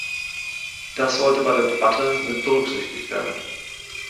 Das sollte bei der Debatte mit berücksichtigt werden.